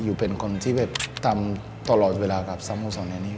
อยู่เป็นคนที่แบบตามตลอดเวลากับสัมภาษณ์ในนี้